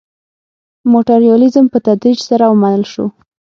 ماټریالیزم په تدریج سره ومنل شو.